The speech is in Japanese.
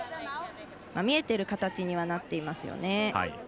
見えている形にはなっていますよね。